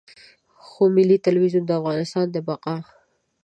خو ملي ټلویزیون د افغانستان د بقا.